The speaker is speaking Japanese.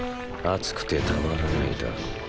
熱くてたまらないだろう。